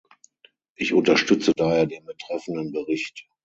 Ich unterstütze daher den betreffenden Bericht.